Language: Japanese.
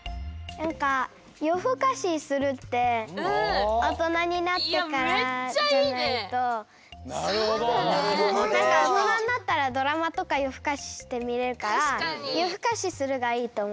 なんかおとなになったらドラマとかよふかししてみれるから「よふかしする」がいいとおもったノナは。